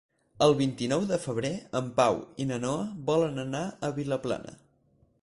El vint-i-nou de febrer en Pau i na Noa volen anar a Vilaplana.